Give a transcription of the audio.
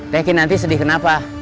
tekin nanti sedih kenapa